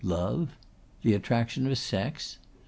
Love? The attraction of Sex?